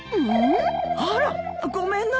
あらごめんなさい！